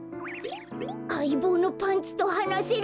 あいぼうのパンツとはなせるなんて。